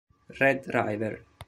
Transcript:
Red River